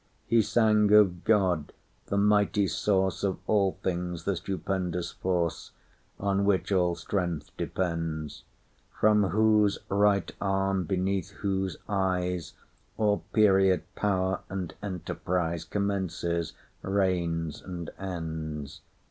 He sang of God—the mighty sourceOf all things—the stupendous forceOn which all strength depends; From Whose right arm, beneath Whose eyes, All period, power, and enterpriseCommences, reigns, and ends.